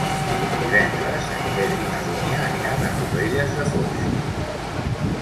Divendres en Quer i na Dúnia aniran a Torrelles de Foix.